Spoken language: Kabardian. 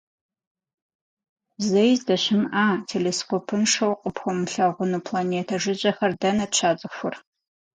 Зэи здэщымыӏа, телескопыншэу къыпхуэмылъэгъуну планетэ жыжьэхэр дэнэт щацӏыхур?